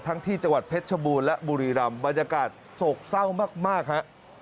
ที่จังหวัดเพชรชบูรณ์และบุรีรำบรรยากาศโศกเศร้ามากฮะ